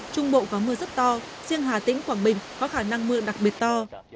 trung bộ có mưa rất to riêng hà tĩnh quảng bình có khả năng mưa đặc biệt to